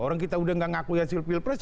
orang kita sudah nggak mengakui hasil pilpres